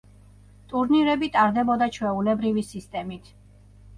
ტურნირები ტარდებოდა ჩვეულებრივი სისტემით.